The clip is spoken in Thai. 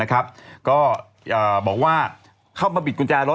ก็บอกว่าเข้ามาบิดกุญแจรถ